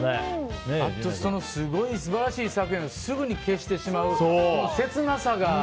素晴らしい作品なのにすぐに消してしまう切なさが。